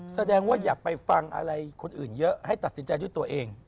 แสดงว่ายังไว้ฟังคนอื่นเยอะให้ตัดสินใจให้ตัวเอง